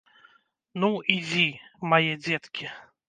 Ну, ідзі, мае дзеткі!